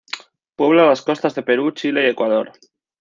Puebla las costas de Perú, Chile y Ecuador.